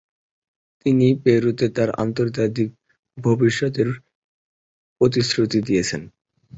তিনি পেরুতে তার আন্তর্জাতিক ভবিষ্যতের প্রতিশ্রুতি দিয়েছেন।